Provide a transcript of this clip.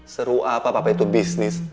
seru apa apa itu bisnis